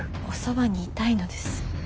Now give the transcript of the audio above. おそばにいたいのです。